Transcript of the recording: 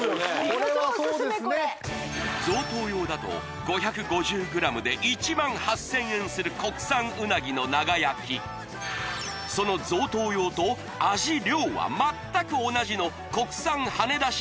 これ贈答用だと５５０ｇで１８０００円する国産うなぎの長焼きその贈答用と味量は全く同じの国産はね出し